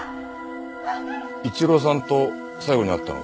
一郎さんと最後に会ったのは？